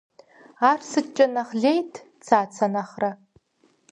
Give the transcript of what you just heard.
Ар сыткӏэ нэхъ лейт Цацэ нэхърэ?